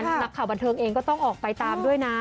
นักข่าวบันเทิงเองก็ต้องออกไปตามด้วยนะ